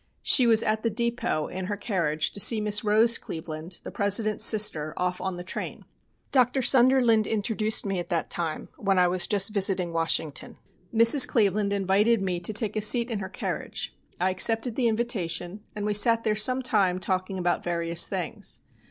She was at the depot, in her carriage, to see Miss Rose Cleveland, the President's sister, off on the train. Dr. Sunderland introduced me at that time, when I was just visiting Washington. Mrs. Cleveland invited me to take a seat in her carriage. I accepted the invitation, and we sat there some time talking about various things.